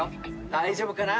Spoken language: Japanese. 大丈夫かな？